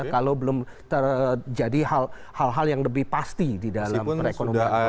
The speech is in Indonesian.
kalau belum terjadi hal hal yang lebih pasti di dalam perekonomian